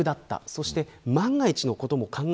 そして、万が一のことも考え